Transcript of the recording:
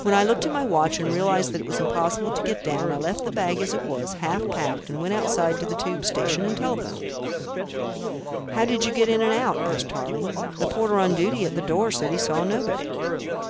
When I looked at my watch, and realised that it was impossible to get down, I left the bag as it was, half packed and went outside to the tube station and telephoned." "How did you get in and out?" asked Tarling. "The porter on duty at the door said he saw nobody."